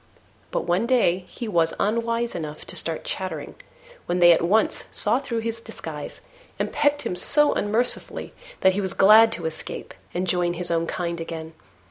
But one day he was unwise enough to start chattering, when they at once saw through his disguise and pecked him so unmercifully that he was glad to escape and join his own kind again.